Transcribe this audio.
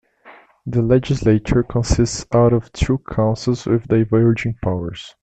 The legislature consists out of two councils with diverging powers.